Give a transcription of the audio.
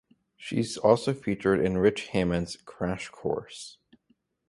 She is also featured in "Richard Hammond's Crash Course".